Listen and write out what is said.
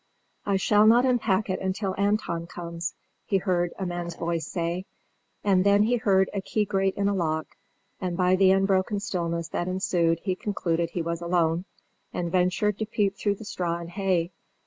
"I shall not unpack it till Anton comes," he heard a man's voice say; and then he heard a key grate in a lock, and by the unbroken stillness that ensued he concluded he was alone, and ventured to peep through the straw and hay.